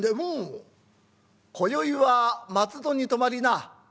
「おうこよいは松戸に泊まりだ。